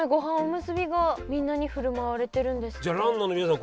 じゃあランナーの皆さん